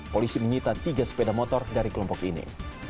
polisi menyita tiga sepeda motor dari kelompok ini